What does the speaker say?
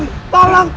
ini hakkannya bagimu